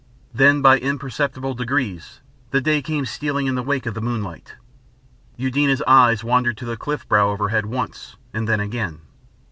Then by imperceptible degrees, the day came stealing in the wake of the moonlight. Eudena's eyes wandered to the cliff brow overhead once, and then again.